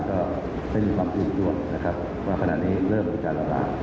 ก็จะมีความรู้สึกว่าว่าขณะนี้เริ่มอุปกรณ์ร้าน